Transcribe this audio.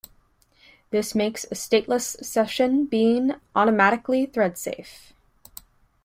This makes a stateless session bean automatically thread-safe.